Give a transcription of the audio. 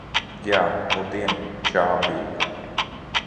Jā, nudien čābīgi.